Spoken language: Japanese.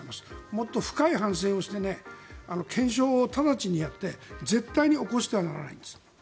もっと深い反省をして検証を直ちにやって絶対に起こしてはならないんです。